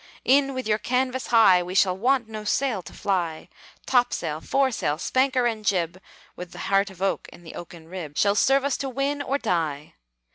"In with your canvas high; We shall want no sail to fly! Topsail, foresail, spanker, and jib (With the heart of oak in the oaken rib), Shall serve us to win or die!